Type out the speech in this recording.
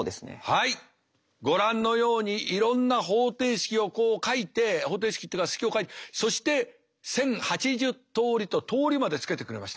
ご覧のようにいろんな方程式をこう書いて方程式っていうか式を書いてそして１，０８０通りと「通り」までつけてくれました。